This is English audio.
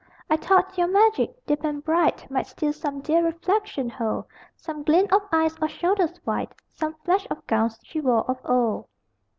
I thought your magic, deep and bright, Might still some dear reflection hold: Some glint of eyes or shoulders white, Some flash of gowns she wore of old.